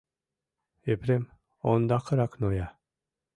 Епрем ондакырак ноя.